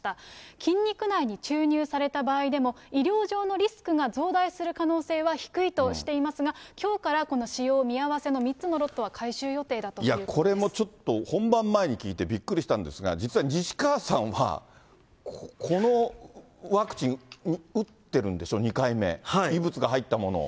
筋肉内に注入された場合でも、医療上のリスクが増大する可能性は低いとしていますが、きょうからこの使用を見合わせの３つのロットは回収予定だというこれもちょっと本番前に聞いてびっくりしたんですが、実は西川さんは、このワクチン、打ってるんでしょ、２回目、異物が入ったものを。